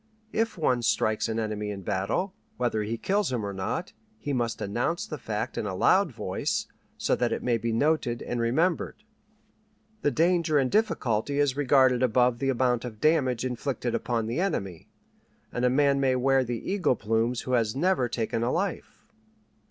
If one strikes an enemy in battle, whether he kills him or not, he must announce the fact in a loud voice, so that it may be noted and remembered. The danger and difficulty is regarded above the amount of damage inflicted upon the enemy, and a man may wear the eagle plumes who has never taken a life.